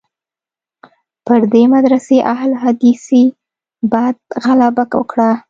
پر دې مدرسې اهل حدیثي بعد غلبه وکړه.